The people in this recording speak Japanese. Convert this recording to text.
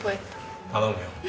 頼むよ。